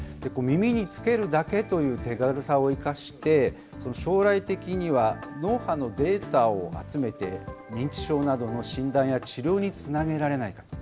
耳につけるだけという手軽さを生かして、将来的には、脳波のデータを集めて、認知症などの診断や治療につなげられないか。